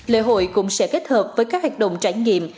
lễ hội cũng sẽ kết hợp với các hoạt động trải nghiệm